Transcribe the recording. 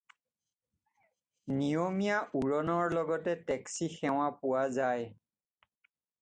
নিয়মীয়া উৰণৰ লগতে টেক্সী সেৱা পোৱা যায়।